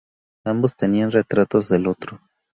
Ambos tenían retratos del otro.